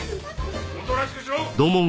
おとなしくしろ！